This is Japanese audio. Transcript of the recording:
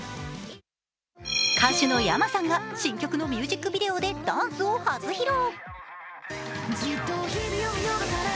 歌手のｙａｍａさんが新曲のミュージックビデオでダンスを初披露。